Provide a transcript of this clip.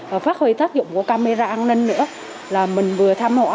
và phát huy tác dụng của camera an ninh nữa là mình vừa thăm họ